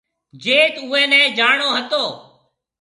جيٿ اُوئي نَي جاڻو ھتو۔